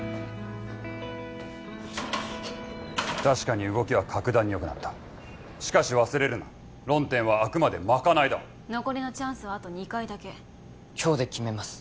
確かに動きは格段によくなったしかし忘れるな論点はあくまでまかないだ残りのチャンスはあと２回だけ今日で決めます